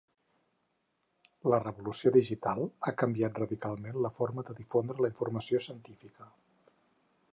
La revolució digital ha canviat radicalment la forma de difondre la informació científica.